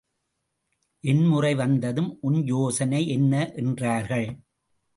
என் முறை வந்ததும், உன் யோசனை என்ன? என்றார்கள்.